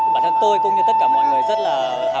bản thân tôi cũng như tất cả mọi người rất là